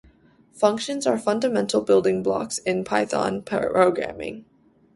Functions are fundamental building blocks in Python programming.